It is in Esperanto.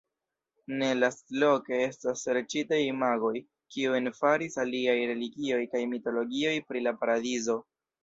Ne lastloke estas serĉitaj imagoj, kiujn faris aliaj religioj kaj mitologioj pri la paradizo.